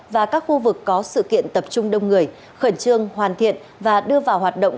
và các khu vực có sự kiện tập trung đông người khẩn trương hoàn thiện và đưa vào hoạt động